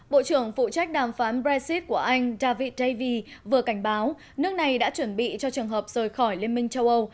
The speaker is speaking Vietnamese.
bộ trưởng phụ trách đàm phán brexit của anh david dayvi vừa cảnh báo nước này đã chuẩn bị cho trường hợp rời khỏi liên minh châu âu